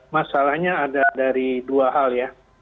masalahnya ada dari dua hal ya